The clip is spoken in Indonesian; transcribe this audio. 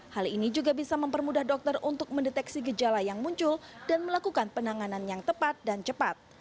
hal ini juga bisa mempermudah dokter untuk mendeteksi gejala yang muncul dan melakukan penanganan yang tepat dan cepat